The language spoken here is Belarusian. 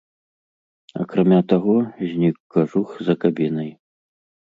Акрамя таго, знік кажух за кабінай.